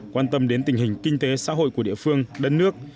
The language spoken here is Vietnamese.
quan tâm đến tình hình kinh tế xã hội của địa phương đất nước